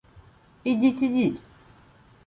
— Ідіть-ідіть.